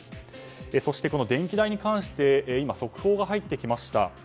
そして、この電気代に関して今、速報が入ってきました。